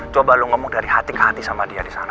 coba lo ngomong dari hati ke hati sama dia di sana